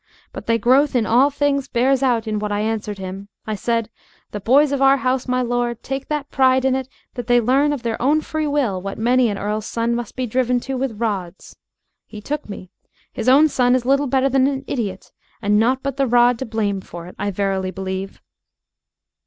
But thy growth in all things bears out in what I answered him. I said: 'The boys of our house, my lord, take that pride in it that they learn of their own free will what many an earl's son must be driven to with rods.' He took me. His own son is little better than an idiot, and naught but the rod to blame for it, I verily believe."